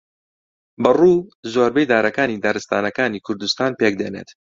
بەڕوو زۆربەی دارەکانی دارستانەکانی کوردستان پێک دێنێت